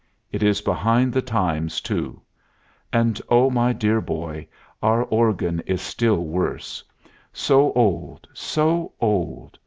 It is behind the times, too. And, oh, my dear boy, our organ is still worse. So old, so old!